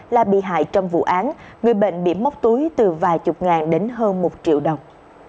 là bị hại trong vụ án người bệnh bị móc túi từ vài chục ngàn đến hơn một triệu đồng